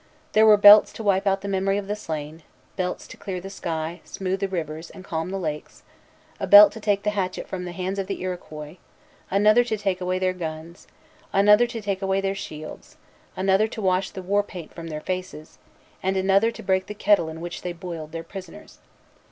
There were belts to wipe out the memory of the slain; belts to clear the sky, smooth the rivers, and calm the lakes; a belt to take the hatchet from the hands of the Iroquois; another to take away their guns; another to take away their shields; another to wash the war paint from their faces; and another to break the kettle in which they boiled their prisoners.